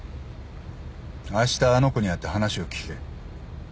あしたあの子に会って話を聞け。